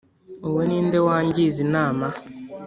“uwo ni nde wangiza inama